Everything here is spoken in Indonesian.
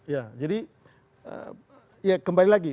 ya jadi ya kembali lagi